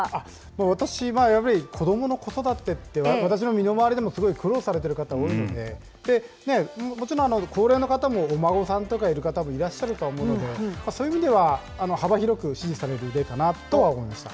私はやっぱり子どもの子育てって、私の身の回りでもすごい苦労されてる方多いので、もちろん高齢の方もお孫さんとかいる方もいらっしゃるとは思うので、そういう意味では、幅広く支持される例かなとは思いました。